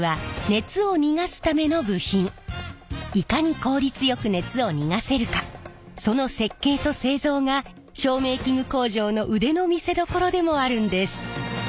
いかに効率よく熱を逃がせるかその設計と製造が照明器具工場の腕の見せどころでもあるんです。